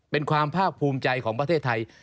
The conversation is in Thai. เป็นความภาคภูมิใจของประเทศไทย